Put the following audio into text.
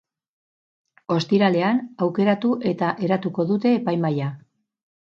Ostiralean aukeratu eta eratuko dute epaimahaia.